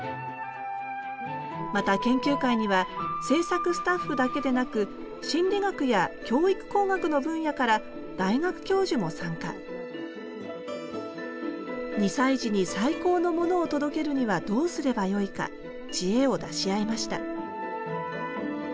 また研究会には制作スタッフだけでなく心理学や教育工学の分野から大学教授も参加２歳児に最高のものを届けるにはどうすればよいか知恵を出し合いました